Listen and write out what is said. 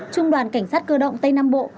trung đoàn cảnh sát cơ động tây nam bộ